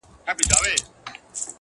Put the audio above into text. o د محبت دار و مدار کي خدايه .